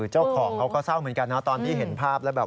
เจ้าของเค้าก็เศร้าเหมือนกันตอนที่เห็นภาพ